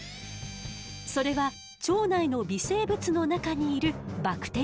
それは腸内の微生物の中にいるバクテリアの働きよ。